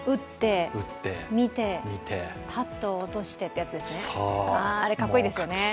打って、見て、バットを落としてってやつですね。